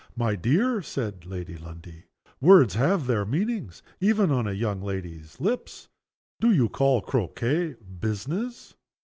"My dear," said Lady Lundie, "words have their meanings even on a young lady's lips. Do you call Croquet, 'business?